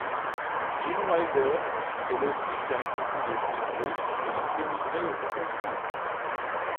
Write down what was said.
Gene Wilder est le fils d'un couple de juifs russes ayant émigré aux États-Unis.